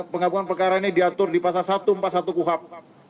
penggabungan perkara ini diatur di pasal satu ratus empat puluh satu kuhap